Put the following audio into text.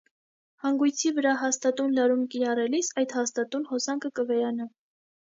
Հանգույցի վրա հաստատուն լարում կիրառելիս այդ հաստատուն հոսանքը կվերանա։